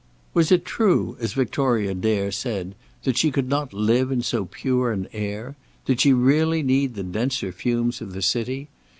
Was it true, as Victoria Dare said, that she could not live in so pure an air? Did she really need the denser fumes of the city?